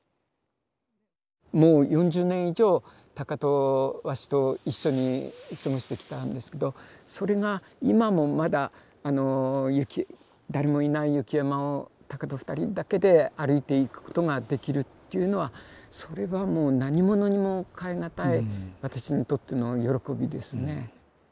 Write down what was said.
もう４０年以上タカとワシと一緒に過ごしてきたんですけどそれが今もまだ誰もいない雪山をタカと二人だけで歩いていくことができるっていうのはそれはもう何物にもかえ難い私にとっての喜びですね。